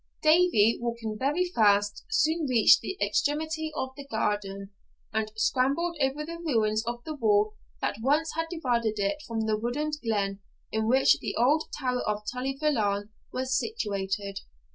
Davie, walking very fast, soon reached the extremity of the garden, and scrambled over the ruins of the wall that once had divided it from the wooded glen in which the old tower of Tully Veolan was situated.